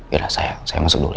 yaudah sayang saya masuk dulu ya